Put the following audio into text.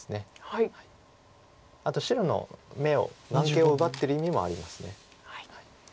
あと白の眼を眼形を奪ってる意味もあります。